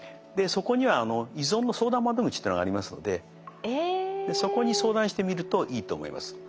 そこには依存の相談窓口っていうのがありますのでそこに相談してみるといいと思います。